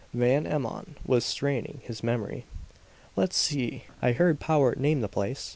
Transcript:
Van Emmon was straining his memory. "Let's see I heard Powart name the place.